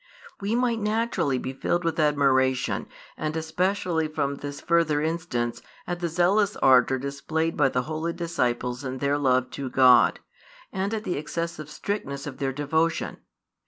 We might naturally be filled with admiration, and especially from this further instance, at the zealous ardour displayed by the holy disciples in their love to God, and at the excessive strictness of their devotion.